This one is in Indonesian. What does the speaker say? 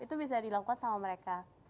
itu bisa dilakukan sama mereka